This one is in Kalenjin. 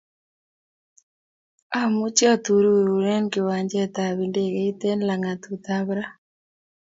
Amuchi atururun eng kiwanjet ab ndegeit eng langatut ab ra